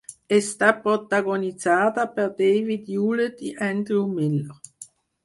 Està protagonitzada per David Hewlett i Andrew Miller.